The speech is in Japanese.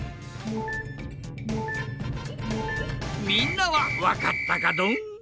みんなはわかったかドン？